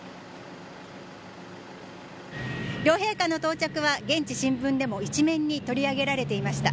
両陛下の到着は現地新聞でも一面に取り上げられていました。